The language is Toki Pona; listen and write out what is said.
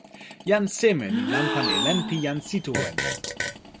jan seme li lanpan e len pi jan Sitowen?